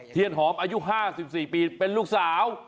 หอมอายุ๕๔ปีเป็นลูกสาว